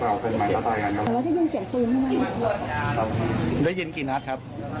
เห็นเสียงปืนฟนั์ค่ะ